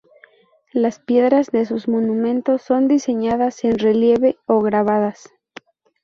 Las piedras de sus monumentos son diseñadas en relieve o grabadas.